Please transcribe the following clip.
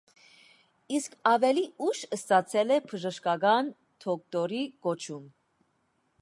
Իսկ ավելի ուշ ստացել է բժշկական դոկտորի կոչում։